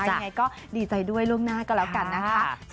ยังไงก็ดีใจด้วยล่วงหน้าก็แล้วกันนะคะ